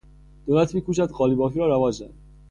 دولت میکوشد قالیبافی را رواج بدهد.